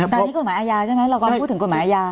ตอนนี้กฎหมายอาญาใช่มั้ยเราก็พูดถึงกฎหมายอาญา